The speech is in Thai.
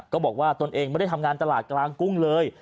ตนเองไม่ได้ทำงานตลาดกลางกุ้งเลย